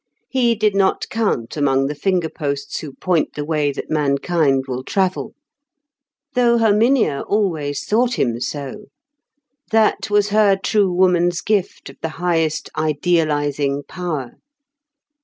He did not count among the finger posts who point the way that mankind will travel. Though Herminia always thought him so. That was her true woman's gift of the highest idealising power.